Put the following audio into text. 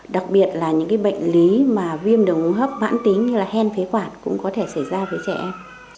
đặc biệt là những bệnh lý mà viêm đồng hấp bản tính như hen phế quản cũng có thể xảy ra với trẻ em